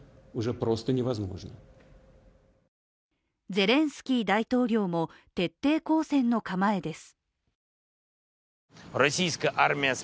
ゼレンスキー大統領も徹底抗戦の構えです。